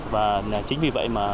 và chính vì vậy